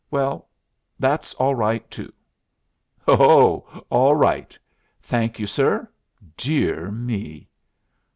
"Well that's all right too." "Ho, ho! All right! Thank you, sir. Dear me!"